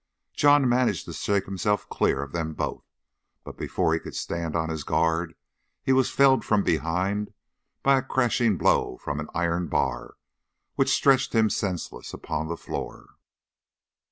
John managed to shake himself clear of them both, but before he could stand on his guard he was felled from behind by a crashing blow from an iron bar, which stretched him senseless upon the floor.